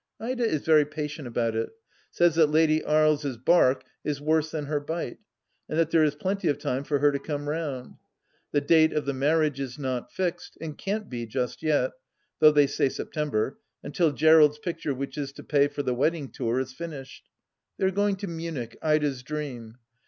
Ida is very patient about it ; says that Lady Aries' bark is worse than her bite, and that there is plenty of time for her to come round. The date of the marriage is not fixed, and can't be just yet, though they say September, until Gterald's picture which is to pay for the wedding tour is finished. They are going to Munich, Ida's dream.